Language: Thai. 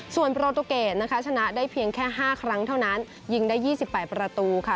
ส่วนโปรตูเกตนะคะชนะได้เพียงแค่๕ครั้งเท่านั้นยิงได้๒๘ประตูค่ะ